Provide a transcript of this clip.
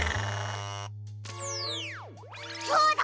そうだ